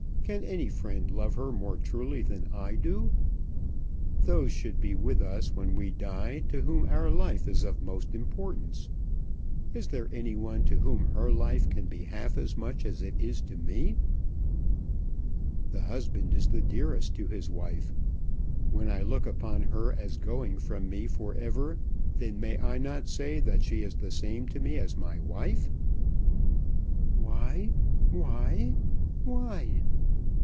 Can any friend love her more truly than I do? Those should be with us when we die to whom our life is of most importance. Is there any one to whom her life can be half as much as it is to me? The husband is the dearest to his wife. When I look upon her as going from me for ever, then may I not say that she is the same to me as my wife." "Why why, why?"